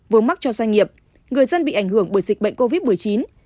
vướng mắc cho doanh nghiệp người dân bị ảnh hưởng bởi dịch bệnh covid một mươi chín